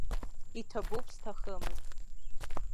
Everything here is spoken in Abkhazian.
Иҭабуп сҭахымызт.